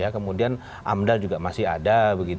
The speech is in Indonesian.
kemudian amdal juga masih ada